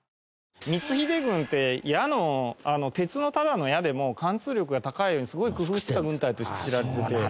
光秀軍って矢の鉄のただの矢でも貫通力が高いようにすごい工夫してた軍隊として知られてて。